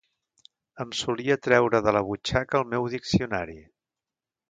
Em solia treure de la butxaca el meu diccionari